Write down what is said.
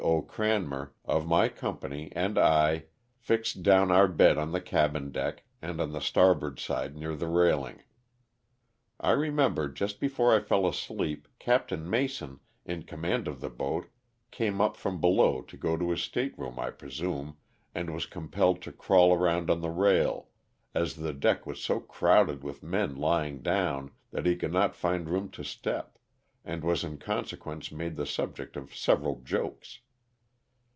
0. Oranmer, of my company, and I fixed down our bed on the cabin deck and on the starboard side near the railing. I remem ber, just before I fell asleep, Captain Mason, in com mand of the boat, came up from below, to go to his stateroom I presume, and was compelled to crawl around on the rail, as the deck was so crowded with men lying down that he could not find room to step, and was in consequence made the subject of several jokes.